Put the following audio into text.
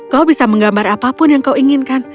kau bisa menggambar apapun yang kau inginkan